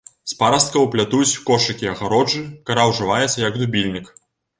З парасткаў плятуць кошыкі, агароджы, кара ўжываецца як дубільнік.